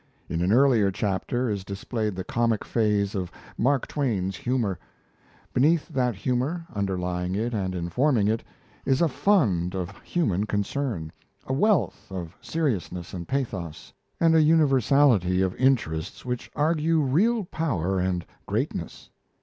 In an earlier chapter, is displayed the comic phase of Mark Twain's humour. Beneath that humour, underlying it and informing it, is a fund of human concern, a wealth of seriousness and pathos, and a universality of interests which argue real power and greatness.